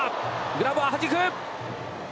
グラブをはじく。